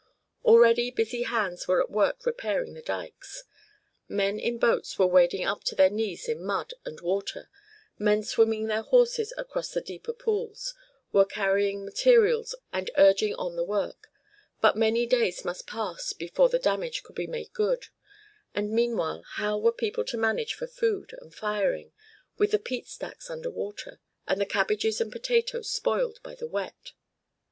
Already busy hands were at work repairing the dykes. Men in boats were wading up to their knees in mud and water, men, swimming their horses across the deeper pools, were carrying materials and urging on the work, but many days must pass before the damage could be made good; and meanwhile, how were people to manage for food and firing, with the peat stacks under water, and the cabbages and potatoes spoiled by the wet?